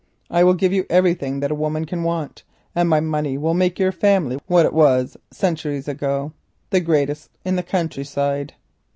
I will give you everything that a woman can want, and my money will make your family what it was centuries ago, the greatest in the country side.